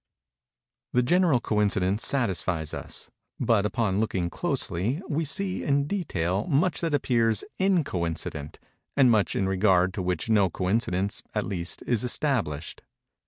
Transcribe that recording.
The general coincidence satisfies us; but, upon looking closely, we see, in detail, much that appears _in_coincident, and much in regard to which no coincidence, at least, is established.